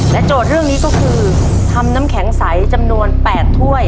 โจทย์เรื่องนี้ก็คือทำน้ำแข็งใสจำนวน๘ถ้วย